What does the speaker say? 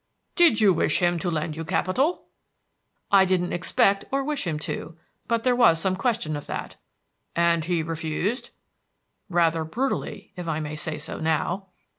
"Did you wish him to lend you capital?" "I didn't expect or wish him to; but there was some question of that." "And he refused?" "Rather brutally, if I may say so now."